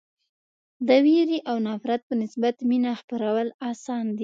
د وېرې او نفرت په نسبت مینه خپرول اسان دي.